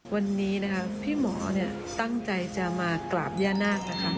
วันนี้นะคะพี่หมอตั้งใจจะมากราบย่านาคนะคะ